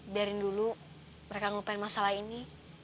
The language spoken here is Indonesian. biarin dulu mereka ngapain masalah ini